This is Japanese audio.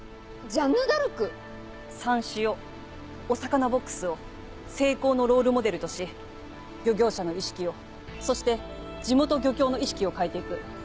⁉さんしをお魚ボックスを成功のロールモデルとし漁業者の意識をそして地元漁協の意識を変えて行く。